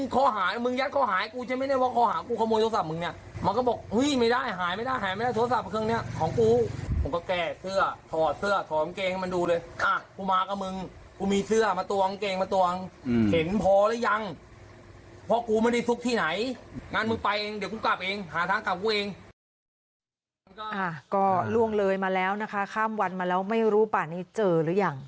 ก็ล่วงเลยมาแล้วนะคะข้ามวันมาแล้วไม่รู้ป่านี้เจอหรือยัง